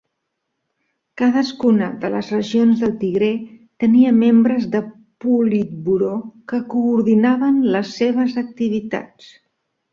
Cadascuna de les regions del Tigré tenia membres de politburó que coordinaven les seves activitats.